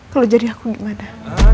kalau jadi aku gimana